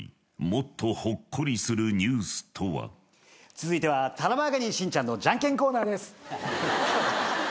続いてはタラバガニしんちゃんのジャンケンコーナーです。